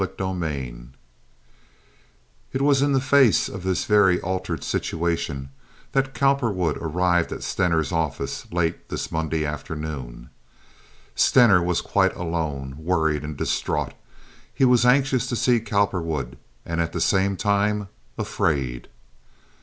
Chapter XXVIII It was in the face of this very altered situation that Cowperwood arrived at Stener's office late this Monday afternoon. Stener was quite alone, worried and distraught. He was anxious to see Cowperwood, and at the same time afraid.